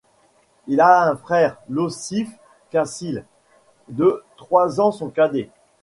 Il a un frère, Iossif Kassil, de trois ans son cadet.